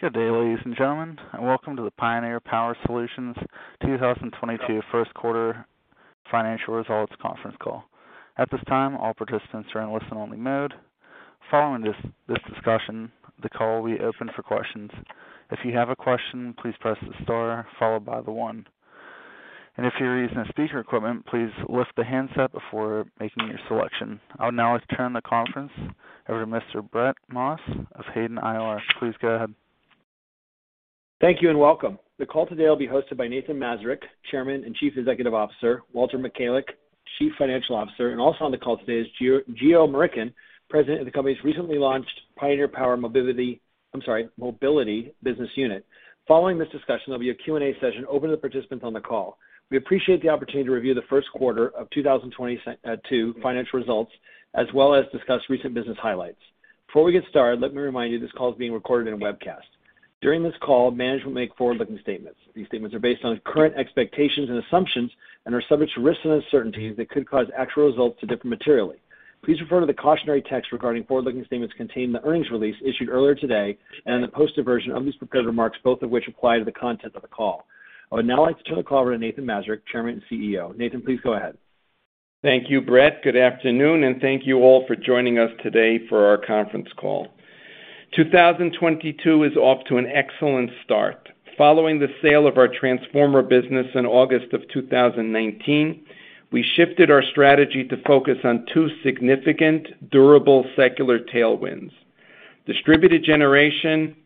Good day, ladies and gentlemen, and welcome to the Pioneer Power Solutions 2022 first quarter financial results conference call. At this time, all participants are in listen only mode. Following this discussion, the call will be opened for questions. If you have a question, please press star followed by the one. If you're using a speakerphone, please lift the handset before making your selection. I would now like to turn the conference over to Mr. Brett Maas of Hayden IR. Please go ahead. Thank you, and welcome. The call today will be hosted by Nathan Mazurek, Chairman and Chief Executive Officer, Walter Michalec, Chief Financial Officer. Also on the call today is Geo Murickan, President of the company's recently launched Pioneer Power Mobility Business Unit. Following this discussion, there'll be a Q&A session open to participants on the call. We appreciate the opportunity to review the first quarter of 2022 financial results, as well as discuss recent business highlights. Before we get started, let me remind you this call is being recorded and webcast. During this call, management will make forward-looking statements. These statements are based on current expectations and assumptions and are subject to risks and uncertainties that could cause actual results to differ materially. Please refer to the cautionary text regarding forward-looking statements contained in the earnings release issued earlier today and in the posted version of these prepared remarks, both of which apply to the content of the call. I would now like to turn the call over to Nathan Mazurek, Chairman and CEO. Nathan, please go ahead. Thank you, Brett. Good afternoon, and thank you all for joining us today for our conference call. 2022 is off to an excellent start. Following the sale of our transformer business in August 2019, we shifted our strategy to focus on two significant durable secular tailwinds, distributed generation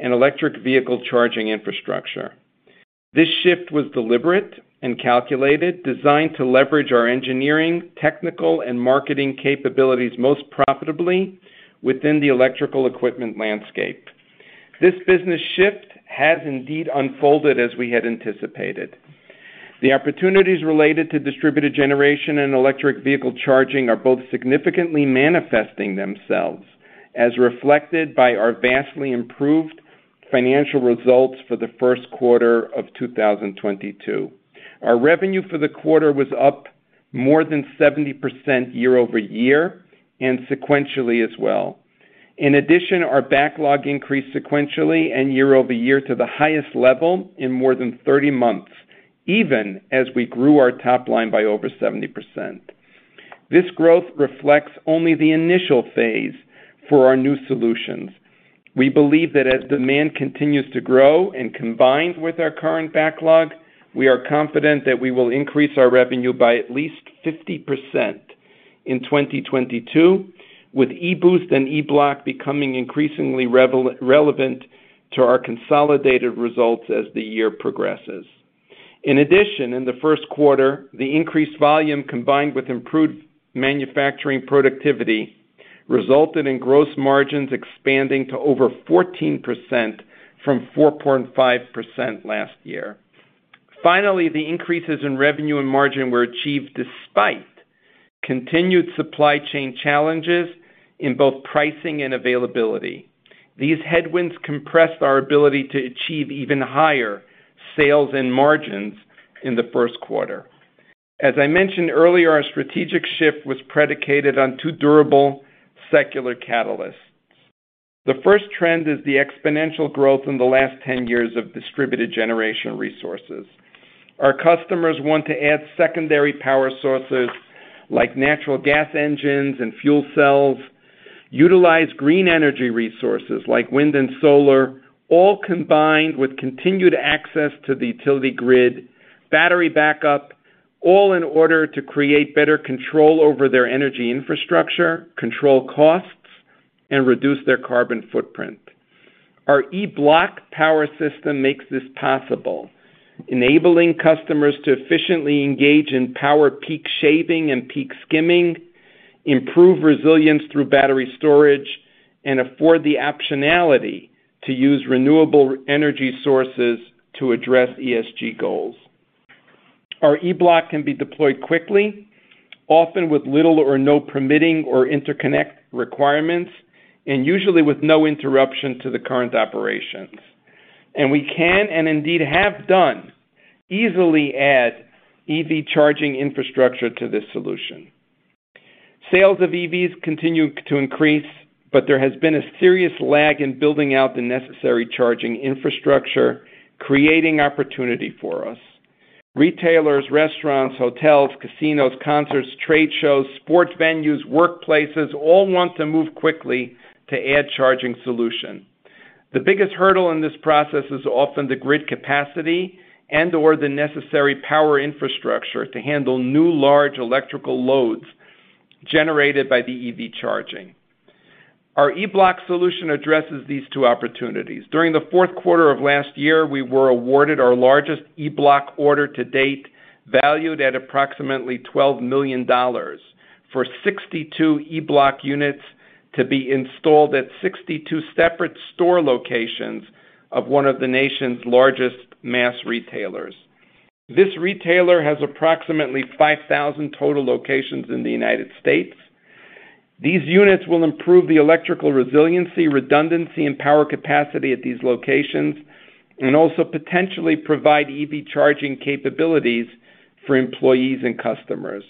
and electric vehicle charging infrastructure. This shift was deliberate and calculated, designed to leverage our engineering, technical, and marketing capabilities most profitably within the electrical equipment landscape. This business shift has indeed unfolded as we had anticipated. The opportunities related to distributed generation and electric vehicle charging are both significantly manifesting themselves, as reflected by our vastly improved financial results for the first quarter of 2022. Our revenue for the quarter was up more than 70% year-over-year and sequentially as well. Our backlog increased sequentially and year-over-year to the highest level in more than 30 months, even as we grew our top line by over 70%. This growth reflects only the initial phase for our new solutions. We believe that as demand continues to grow and combined with our current backlog, we are confident that we will increase our revenue by at least 50% in 2022, with eBoost and E-Bloc becoming increasingly relevant to our consolidated results as the year progresses. In the first quarter, the increased volume combined with improved manufacturing productivity resulted in gross margins expanding to over 14% from 4.5% last year. The increases in revenue and margin were achieved despite continued supply chain challenges in both pricing and availability. These headwinds compressed our ability to achieve even higher sales and margins in the first quarter. As I mentioned earlier, our strategic shift was predicated on two durable secular catalysts. The first trend is the exponential growth in the last ten years of distributed generation resources. Our customers want to add secondary power sources like natural gas engines and fuel cells, utilize green energy resources like wind and solar, all combined with continued access to the utility grid, battery backup, all in order to create better control over their energy infrastructure, control costs, and reduce their carbon footprint. Our E-Bloc power system makes this possible, enabling customers to efficiently engage in power peak shaving and peak skimming, improve resilience through battery storage, and afford the optionality to use renewable energy sources to address ESG goals. Our E-Bloc can be deployed quickly, often with little or no permitting or interconnect requirements, and usually with no interruption to the current operations. We can, and indeed have done, easily add EV charging infrastructure to this solution. Sales of EVs continue to increase, but there has been a serious lag in building out the necessary charging infrastructure, creating opportunity for us. Retailers, restaurants, hotels, casinos, concerts, trade shows, sports venues, workplaces all want to move quickly to add charging solution. The biggest hurdle in this process is often the grid capacity and/or the necessary power infrastructure to handle new large electrical loads generated by the EV charging. Our E-Bloc solution addresses these two opportunities. During the fourth quarter of last year, we were awarded our largest E-Bloc order to date, valued at approximately $12 million for 62 E-Bloc units to be installed at 62 separate store locations of one of the nation's largest mass retailers. This retailer has approximately 5,000 total locations in the United States. These units will improve the electrical resiliency, redundancy, and power capacity at these locations and also potentially provide EV charging capabilities for employees and customers.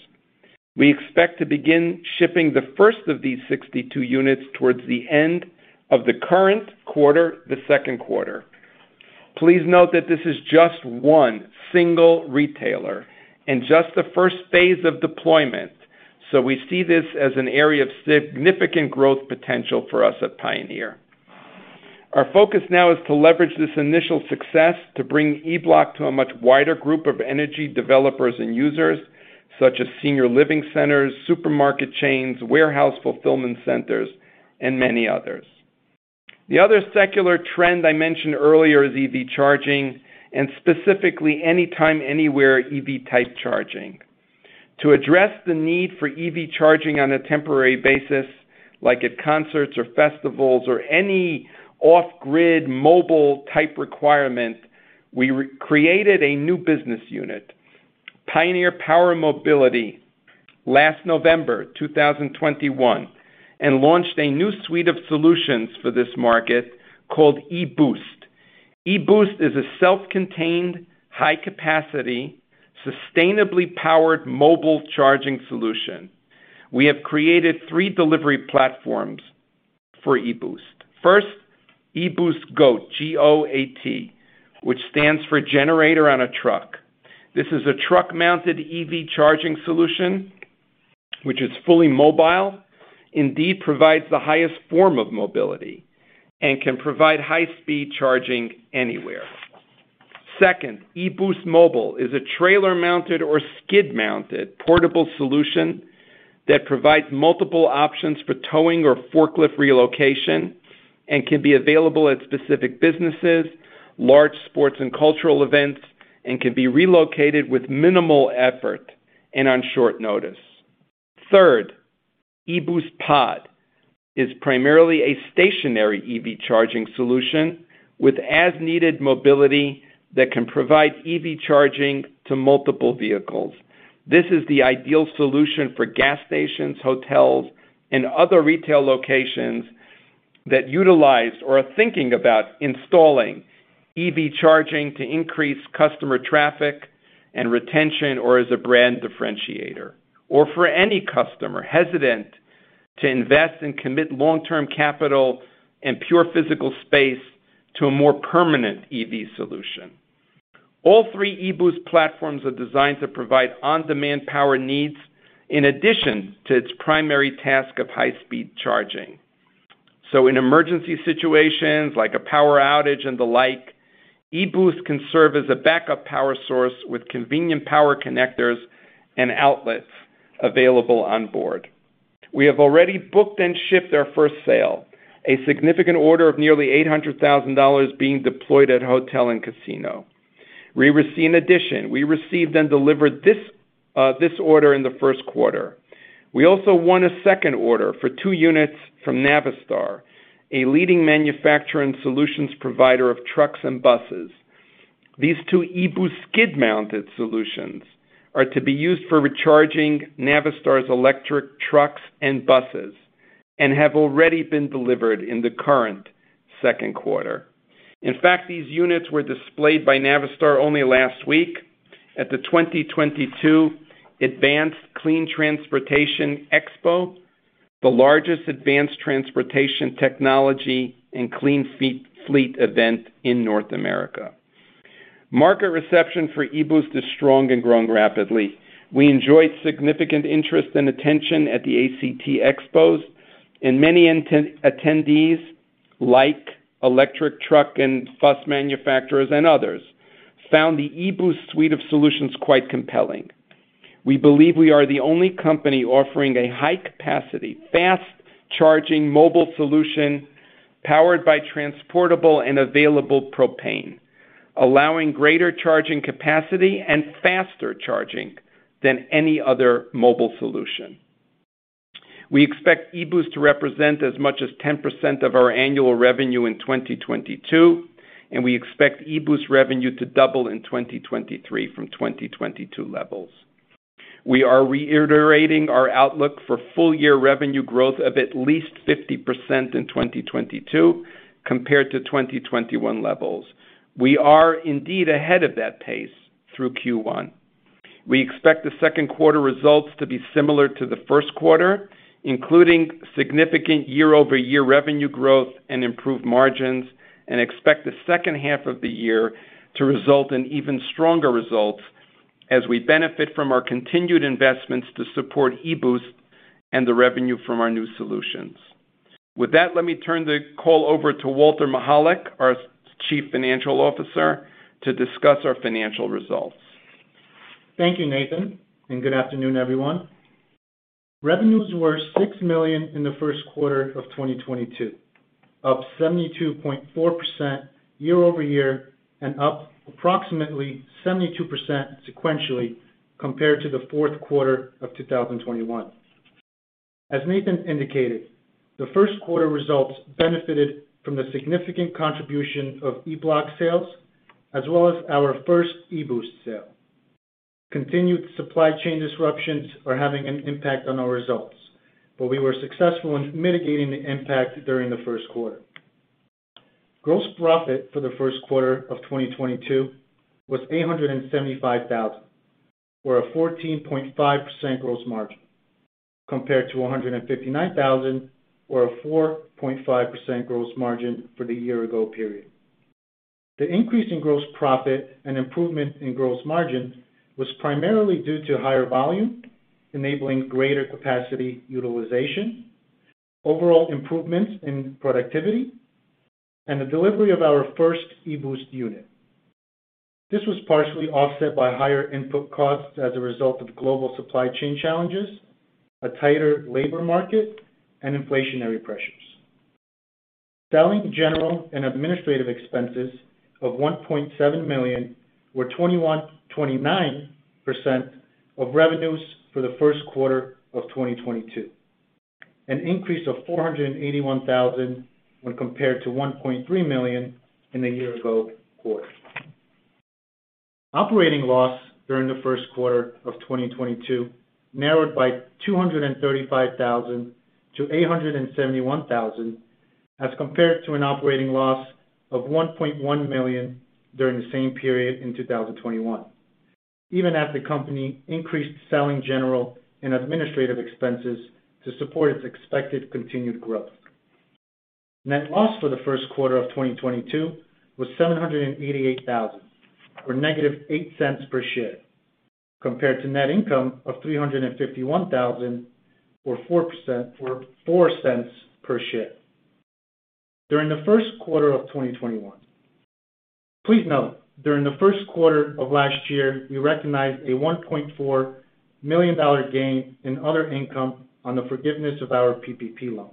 We expect to begin shipping the first of these 62 units towards the end of the current quarter, the second quarter. Please note that this is just one single retailer and just the first phase of deployment, so we see this as an area of significant growth potential for us at Pioneer. Our focus now is to leverage this initial success to bring E-Bloc to a much wider group of energy developers and users such as senior living centers, supermarket chains, warehouse fulfillment centers, and many others. The other secular trend I mentioned earlier is EV charging, and specifically anytime, anywhere EV type charging. To address the need for EV charging on a temporary basis, like at concerts or festivals or any off-grid mobile type requirement, we re-created a new business unit, Pioneer Power Mobility, last November 2021, and launched a new suite of solutions for this market called eBoost. eBoost is a self-contained, high-capacity, sustainably powered mobile charging solution. We have created three delivery platforms for eBoost. First, eBoost GOAT, G-O-A-T, which stands for Generator on a Truck. This is a truck-mounted EV charging solution which is fully mobile, indeed provides the highest form of mobility and can provide high-speed charging anywhere. Second, eBoost Mobile is a trailer-mounted or skid-mounted portable solution that provides multiple options for towing or forklift relocation and can be available at specific businesses, large sports and cultural events, and can be relocated with minimal effort and on short notice. Third, eBoost Pod is primarily a stationary EV charging solution with as-needed mobility that can provide EV charging to multiple vehicles. This is the ideal solution for gas stations, hotels, and other retail locations that utilize or are thinking about installing EV charging to increase customer traffic and retention, or as a brand differentiator, or for any customer hesitant to invest and commit long-term capital and pure physical space to a more permanent EV solution. All three eBoost platforms are designed to provide on-demand power needs in addition to its primary task of high-speed charging. In emergency situations like a power outage and the like, eBoost can serve as a backup power source with convenient power connectors and outlets available on board. We have already booked and shipped our first sale, a significant order of nearly $800,000 being deployed at hotel and casino. In addition, we received and delivered this order in the first quarter. We also won a second order for two units from Navistar, a leading manufacturer and solutions provider of trucks and buses. These two eBoost skid-mounted solutions are to be used for recharging Navistar's electric trucks and buses and have already been delivered in the current second quarter. In fact, these units were displayed by Navistar only last week at the 2022 Advanced Clean Transportation Expo, the largest advanced transportation technology and clean fleet event in North America. Market reception for eBoost is strong and growing rapidly. We enjoyed significant interest and attention at the ACT Expos, and many attendees, like electric truck and bus manufacturers and others, found the eBoost suite of solutions quite compelling. We believe we are the only company offering a high-capacity, fast-charging mobile solution powered by transportable and available propane, allowing greater charging capacity and faster charging than any other mobile solution. We expect eBoost to represent as much as 10% of our annual revenue in 2022, and we expect eBoost revenue to double in 2023 from 2022 levels. We are reiterating our outlook for full-year revenue growth of at least 50% in 2022 compared to 2021 levels. We are indeed ahead of that pace through Q1. We expect the second quarter results to be similar to the first quarter, including significant year-over-year revenue growth and improved margins, and expect the second half of the year to result in even stronger results as we benefit from our continued investments to support eBoost and the revenue from our new solutions. With that, let me turn the call over to Walter Michalec, our Chief Financial Officer, to discuss our financial results. Thank you, Nathan, and good afternoon, everyone. Revenues were $6 million in the first quarter of 2022, up 72.4% year-over-year and up approximately 72% sequentially compared to the fourth quarter of 2021. As Nathan indicated, the first quarter results benefited from the significant contribution of E-Bloc sales as well as our first eBoost sale. Continued supply chain disruptions are having an impact on our results, but we were successful in mitigating the impact during the first quarter. Gross profit for the first quarter of 2022 was $875,000, or a 14.5% gross margin, compared to $159,000 or a 4.5% gross margin for the year-ago period. The increase in gross profit and improvement in gross margin was primarily due to higher volume, enabling greater capacity utilization, overall improvements in productivity, and the delivery of our first eBoost unit. This was partially offset by higher input costs as a result of global supply chain challenges, a tighter labor market, and inflationary pressures. Selling, general, and administrative expenses of $1.7 million were 29% of revenues for the first quarter of 2022, an increase of $481,000 when compared to $1.3 million in the year ago quarter. Operating loss during the first quarter of 2022 narrowed by $235,000 to $871,000 as compared to an operating loss of $1.1 million during the same period in 2021, even as the company increased selling general and administrative expenses to support its expected continued growth. Net loss for the first quarter of 2022 was $788,000, or $-0.08 per share, compared to net income of $351,000 or $0.04 per share during the first quarter of 2021. Please note, during the first quarter of last year, we recognized a $1.4 million gain in other income on the forgiveness of our PPP loan.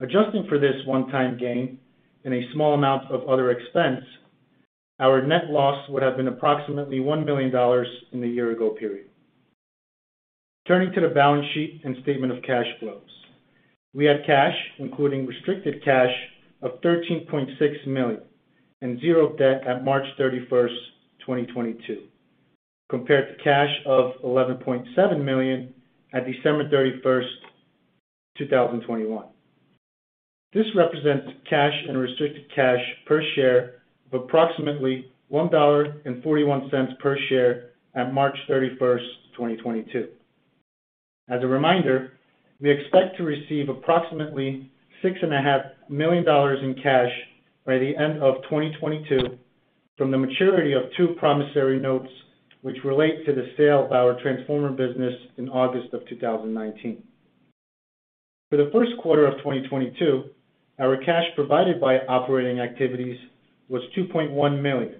Adjusting for this one-time gain and a small amount of other expense, our net loss would have been approximately $1 million in the year ago period. Turning to the balance sheet and statement of cash flows. We had cash, including restricted cash, of $13.6 million and $0 debt at March 31, 2022, compared to cash of $11.7 million at December 31, 2021. This represents cash and restricted cash per share of approximately $1.41 per share at March 31, 2022. As a reminder, we expect to receive approximately $6.5 million in cash by the end of 2022 from the maturity of two promissory notes, which relate to the sale of our transformer business in August of 2019. For the first quarter of 2022, our cash provided by operating activities was $2.1 million,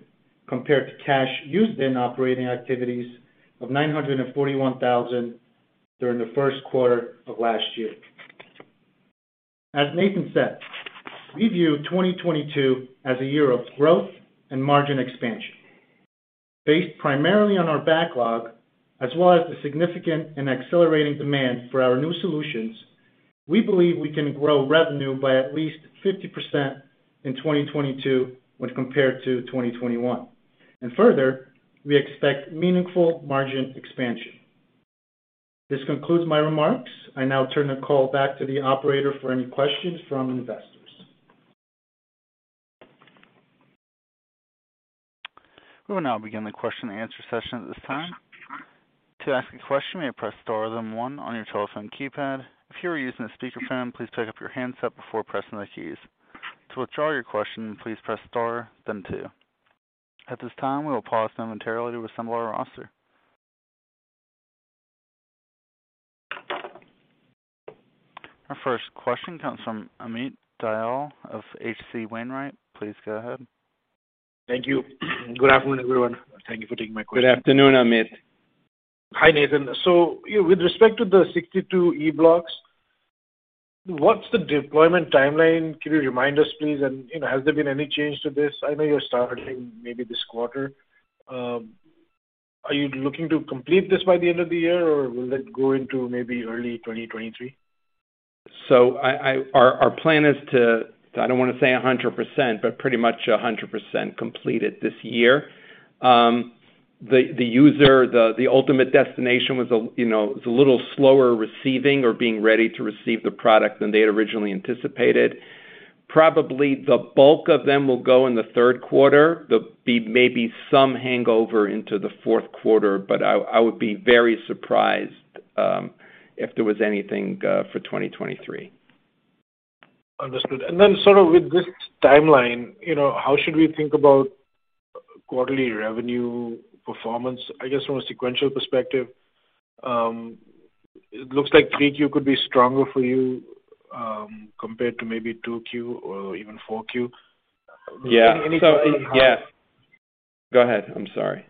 compared to cash used in operating activities of $941,000 during the first quarter of last year. As Nathan said, we view 2022 as a year of growth and margin expansion. Based primarily on our backlog as well as the significant and accelerating demand for our new solutions, we believe we can grow revenue by at least 50% in 2022 when compared to 2021. Further, we expect meaningful margin expansion. This concludes my remarks. I now turn the call back to the operator for any questions from investors. We will now begin the question and answer session at this time. To ask a question, you may press star then one on your telephone keypad. If you are using a speakerphone, please take up your handset before pressing the keys. To withdraw your question, please press star then two. At this time, we will pause momentarily to assemble our roster. Our first question comes from Amit Dayal of H.C. Wainwright. Please go ahead. Thank you. Good afternoon, everyone. Thank you for taking my question. Good afternoon, Amit. Hi, Nathan. With respect to the 62 E-Blocs, what's the deployment timeline? Can you remind us, please? You know, has there been any change to this? I know you're starting maybe this quarter. Are you looking to complete this by the end of the year, or will it go into maybe early 2023? Our plan is to, I don't wanna say 100%, but pretty much 100% completed this year. The user, the ultimate destination was a, you know, is a little slower receiving or being ready to receive the product than they had originally anticipated. Probably the bulk of them will go in the third quarter. There'll be maybe some hangover into the fourth quarter, but I would be very surprised if there was anything for 2023. Understood. Then sort of with this timeline, you know, how should we think about quarterly revenue performance? I guess from a sequential perspective, it looks like three Q could be stronger for you, compared to maybe two Q or even four Q. Yeah. Any thought on how? Yeah. Go ahead, I'm sorry.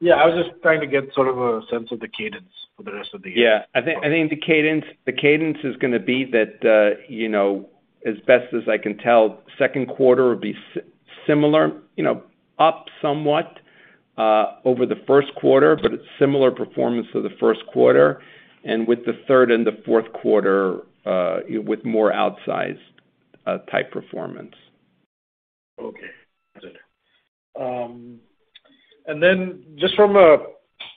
Yeah, I was just trying to get sort of a sense of the cadence for the rest of the year. Yeah, I think the cadence is gonna be that, you know, as best as I can tell, second quarter would be similar, you know, up somewhat over the first quarter, but it's similar performance to the first quarter and with the third and the fourth quarter with more outsized type performance. Okay. Got it. Just from a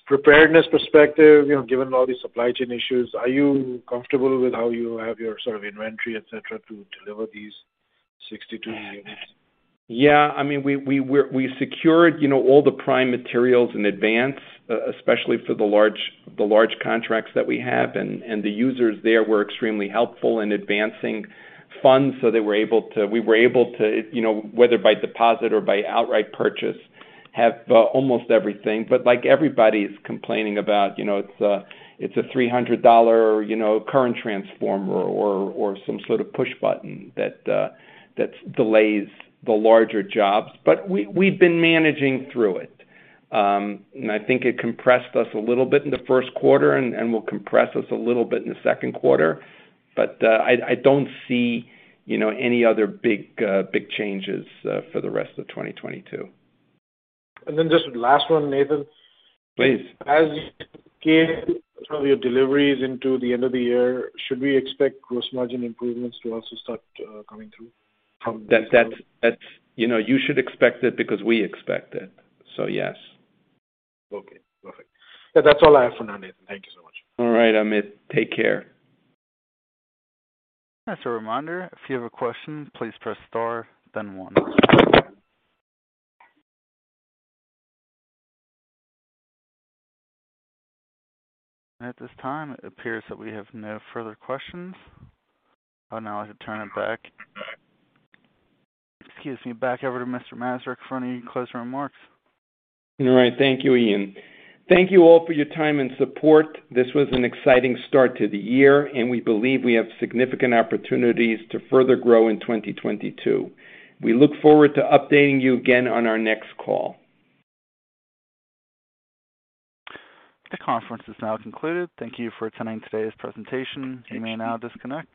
preparedness perspective, you know, given all these supply chain issues, are you comfortable with how you have your sort of inventory, et cetera, to deliver these 62 units? Yeah. I mean, we secured, you know, all the prime materials in advance, especially for the large contracts that we have. The users there were extremely helpful in advancing funds so we were able to, you know, whether by deposit or by outright purchase, have almost everything. Like everybody's complaining about, you know, it's a $300, you know, current transformer or some sort of push button that delays the larger jobs. We've been managing through it. I think it compressed us a little bit in the first quarter and will compress us a little bit in the second quarter. I don't see, you know, any other big changes for the rest of 2022. Just last one, Nathan. Please. As you scale some of your deliveries into the end of the year, should we expect gross margin improvements to also start, coming through from- That's. You know, you should expect it because we expect it. Yes. Okay, perfect. That's all I have for now, Nathan. Thank you so much. All right, Amit. Take care. As a reminder, if you have a question, please press star then one. At this time, it appears that we have no further questions. I'd now like to turn it back over to Mr. Mazurek for any closing remarks. All right. Thank you, Ian. Thank you all for your time and support. This was an exciting start to the year, and we believe we have significant opportunities to further grow in 2022. We look forward to updating you again on our next call. The conference is now concluded. Thank you for attending today's presentation. You may now disconnect.